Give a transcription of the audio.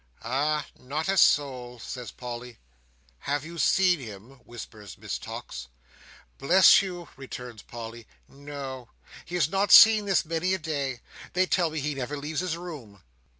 "Ah! not a soul," says Polly. "Have you seen him?" whispers Miss Tox. "Bless you," returns Polly, "no; he has not been seen this many a day. They tell me he never leaves his room."